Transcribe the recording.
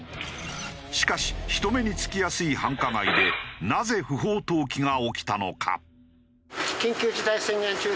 しかし人目につきやすい繁華街でなぜ不法投棄が起きたのか？